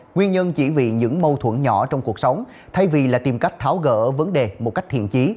nguyên nhân chỉ vì những mâu thuẫn nhỏ trong cuộc sống thay vì là tìm cách tháo gỡ vấn đề một cách thiện trí